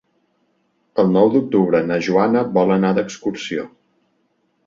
El nou d'octubre na Joana vol anar d'excursió.